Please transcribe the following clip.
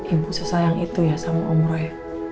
ibu sesayang itu ya sama om roy